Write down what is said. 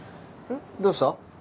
どうした？